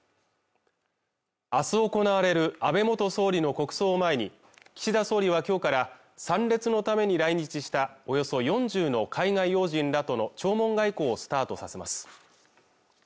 あす行われる安倍元総理の国葬を前に岸田総理は今日から参列のために来日したおよそ４０の海外要人らとの弔問外交をスタートさせます